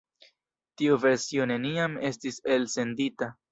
Tiu versio neniam estis elsendita.